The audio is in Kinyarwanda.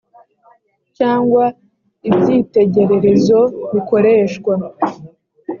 cyangwa ibyitegererezo bikoreshwa